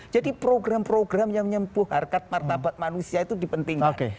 jadi program program yang menyempuh harkat martabat manusia itu dipentingkan